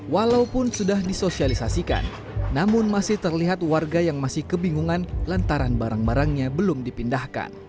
walaupun sudah disosialisasikan namun masih terlihat warga yang masih kebingungan lantaran barang barangnya belum dipindahkan